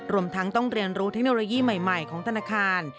รวมทั้งต้องเรียนรู้เทคโนโลยีใหม่ของธนาคาร